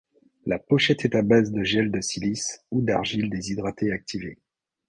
La pochette est à base de gel de silice ou d'argile déshydratée activée.